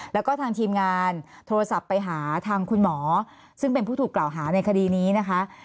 แล้วก็ทางทีมงานโทรศัพท์ไปหาทางคุณหมอซึ่งเป็นผู้ถูกกล่าวหาในคดีนี้นะคะ